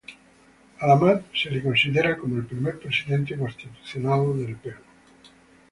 A La Mar se le considera como el primer presidente constitucional del Perú.